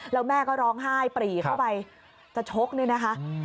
แล้วแม่ก็ร้องไห้ปรีเข้าไปจะชกนี่นะคะ